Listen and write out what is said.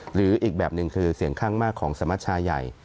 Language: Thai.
หรืออีกแบบหนึ่งคือเสียงข้างมากของสมัชชาใหญ่